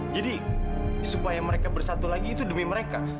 jadi supaya mereka bersatu lagi itu demi mereka